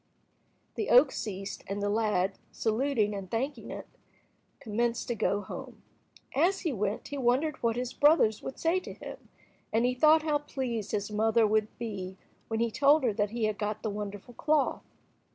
'" The oak ceased, and the lad, saluting and thanking it, commenced to go home. As he went he wondered what his brothers would say to him, and he thought how pleased his mother would be when he told her that he had got the wonderful cloth.